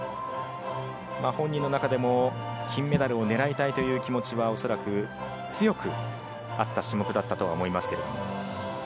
本人の中でも金メダルを狙いたいという気持ちはおそらく強くあった種目だったとは思います。